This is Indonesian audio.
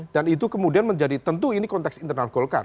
dan itu kemudian menjadi tentu ini konteks internal golkar